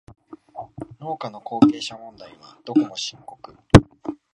農家の後継者問題はどこも深刻